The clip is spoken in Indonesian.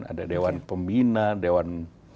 ada dewan pembina dewan